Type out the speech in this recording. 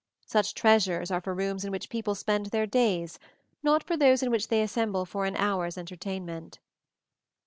Such treasures are for rooms in which people spend their days, not for those in which they assemble for an hour's entertainment.